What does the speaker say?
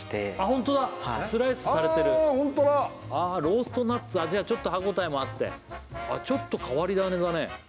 ホントだスライスされてるああローストナッツじゃあちょっと歯応えもあってちょっと変わり種だね